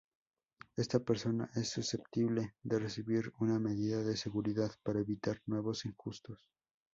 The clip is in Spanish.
Esta persona es susceptible de recibir una medida de seguridad para evitar nuevos injustos.